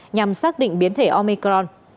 nhằm xác định biến thể omicron